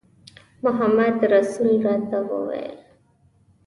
محمدرسول راته وویل.